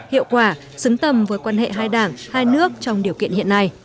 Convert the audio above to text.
hiệu quả xứng tầm với quan hệ hai đảng hai nước trong điều kiện hiện nay